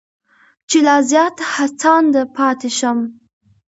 چې لا زیات هڅانده پاتې شم.